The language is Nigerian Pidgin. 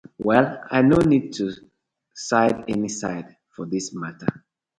Well I no need to side any side for dis matta.